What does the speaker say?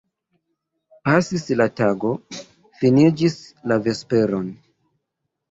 Pasis la tago, finiĝis la vespero.